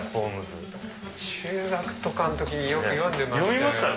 中学の時によく読んでました。